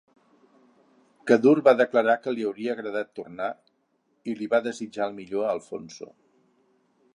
Kaddour va declarar que li hauria agradar tornar i li va desitjar el millor a Alfonso.